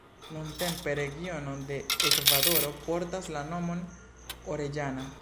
Nuntempe regiono de Ekvadoro portas la nomon Orellana.